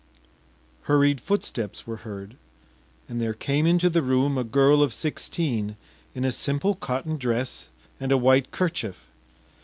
” Hurried footsteps were heard, and there came into the room a girl of sixteen in a simple cotton dress and a white kerchief.